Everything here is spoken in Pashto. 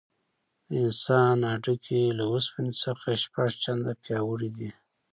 د انسان هډوکي له اوسپنې څخه شپږ چنده پیاوړي دي.